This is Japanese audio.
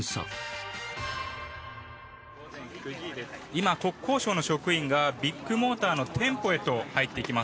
今国交省の職員がビッグモーターの店舗へと入っていきます。